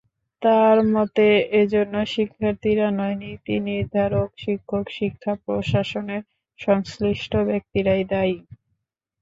তাঁর মতে, এজন্য শিক্ষার্থীরা নয়, নীতিনির্ধারক, শিক্ষক, শিক্ষা প্রশাসনের সংশ্লিষ্ট ব্যক্তিরাই দায়ী।